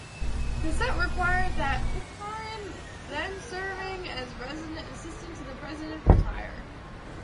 Cassatt required that Pitcairn, then serving as Resident Assistant to the President, retire.